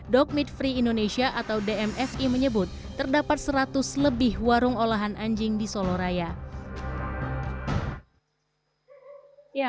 dog meat free indonesia atau dmfi menyebut terdapat seratus lebih warung olahan anjing di solo raya